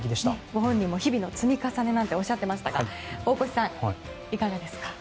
ご本人も日々の積み重ねとおっしゃっていましたが大越さん、いかがですか。